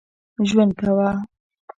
ژوند کاوه.